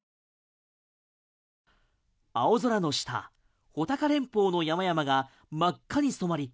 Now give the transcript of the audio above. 青空の下穂高連峰の山々が真っ赤に染まり